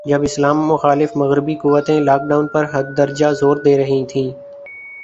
جب اسلام مخالف مغربی قوتیں, لاک ڈاون پر حد درجہ زور دے رہی تھیں